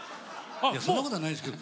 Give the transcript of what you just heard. いやそんなことはないですけど。